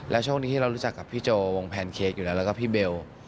แล้วช่วงนี้ที่เรารู้จักกับพี่โจวงแพนเค้กอยู่แล้วแล้วก็พี่เบล